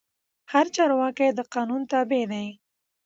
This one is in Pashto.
هر چارواکی د قانون تابع دی